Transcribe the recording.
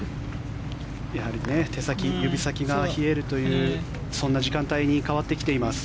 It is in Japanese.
やはり手先、指先が冷えるというそんな時間帯に変わってきています。